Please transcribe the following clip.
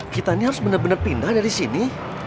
kita ini harus bener bener pindah dari sini